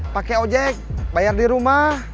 pakai ojek bayar di rumah